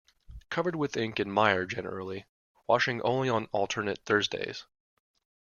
Covered with ink and mire generally, washing only on alternate Thursdays.